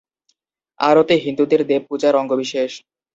আরতি হিন্দুদের দেবপূজার অঙ্গবিশেষ।